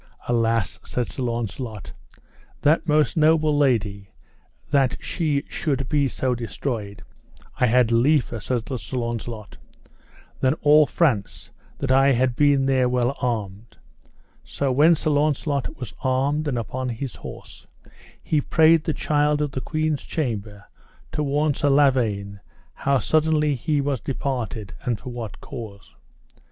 Alas, said Sir Launcelot, that most noble lady, that she should be so destroyed; I had liefer, said Sir Launcelot, than all France, that I had been there well armed. So when Sir Launcelot was armed and upon his horse, he prayed the child of the queen's chamber to warn Sir Lavaine how suddenly he was departed, and for what cause.